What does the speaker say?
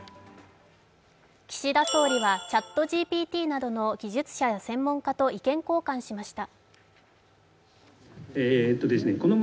岸田総理はＣｈａｔＧＰＴなどの技術者や専門家と意見交換しました。